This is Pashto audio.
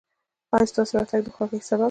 ایا ستاسو راتګ د خوښۍ سبب دی؟